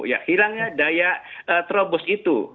ya hilangnya daya terobos itu